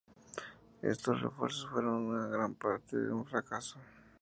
Estos esfuerzos fueron en gran parte un fracaso.